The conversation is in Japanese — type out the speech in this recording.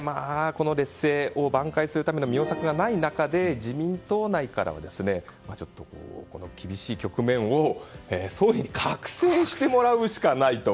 この劣勢を挽回するための良策がない中で自民党内からはこの厳しい局面を総理に覚醒してもらうしかないと。